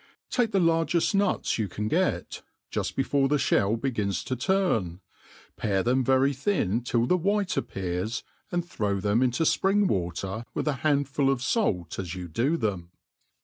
TAKE the largeft nuts you can get, juft before the flicH begins to turp, pare them very thin till the white appears, and throw them into, fpring water, with a handful of fait as you da ♦ them. '/ MADE PLAI>r ANDEA^Y. i^ / Aem.